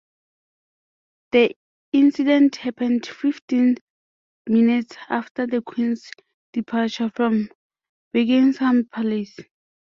The incident happened fifteen minutes after the Queen's departure from Buckingham Palace.